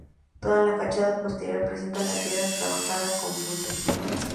Toda la fachada posterior presenta la piedra trabajada con punzón.